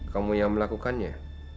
kamu yang melakukannya